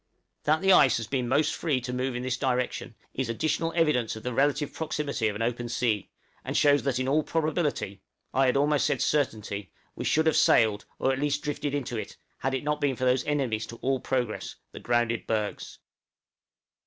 That the ice has been most free to move in this direction is additional evidence of the recent proximity of an open sea, and shows that in all probability I had almost said certainty we should have sailed, or at least drifted into it, had it not been for those enemies to all progress, the grounded bergs.